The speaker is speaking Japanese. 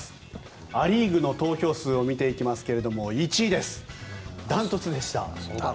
ア・リーグの投票数を見てみますと１位です、断トツでした。